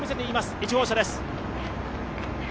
１号車です。